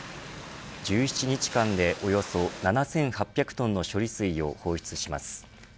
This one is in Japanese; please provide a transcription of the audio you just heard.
１７日間でおよそ７８００トンの処理水を放出します。